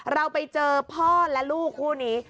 เราไปเจอพ่อและลูกคู่นี้